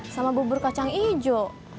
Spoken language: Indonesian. sama bubur kacang ijo